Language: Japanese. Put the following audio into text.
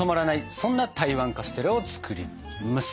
そんな台湾カステラを作ります。